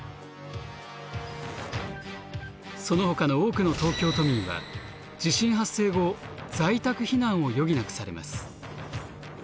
そのほかの多くの東京都民は地震発生後在宅避難を余儀なくされます。